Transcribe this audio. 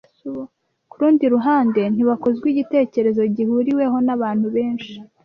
Ku rundi ruhandenti bakozwa igitekerezo gihuriweho n’abantu benshi